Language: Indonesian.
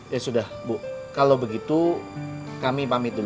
ya sudah bu kalau begitu kami pamit dulu